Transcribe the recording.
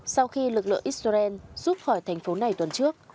sau khi lực lượng israel rút khỏi thành phố này tuần trước